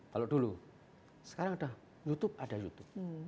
kalau dulu sekarang udah youtube ada youtube